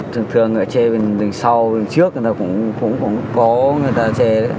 thường thường người che bên sau bên trước người ta cũng có người ta che đấy